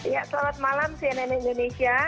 ya selamat malam cnn indonesia